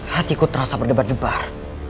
hatiku terasa berdebar nebar